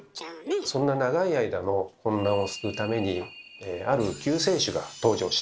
そんな長い間の混乱を救うためにある救世主が登場したんです。